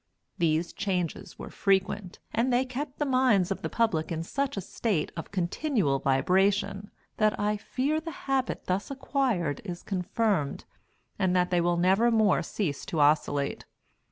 These changes were frequent, and they kept the minds of the public in such a state of continual vibration that I fear the habit thus acquired is confirmed, and that they will never more cease to oscillate.